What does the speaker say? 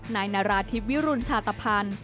นายนาราธิบวิรุณชาตภัณฑ์